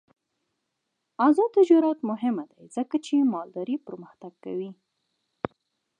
آزاد تجارت مهم دی ځکه چې مالداري پرمختګ کوي.